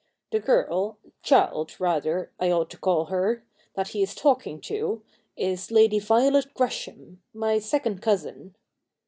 The girl — child, rather, I ought to call her — that he is talking to, is Lady Violet Gresham — my second cousin.